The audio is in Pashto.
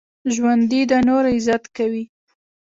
ژوندي د نورو عزت کوي